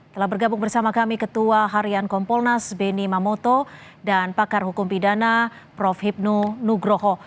telah bergabung bersama kami ketua harian kompolnas benny mamoto dan pakar hukum pidana prof hipnu nugroho